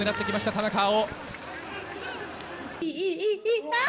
田中碧。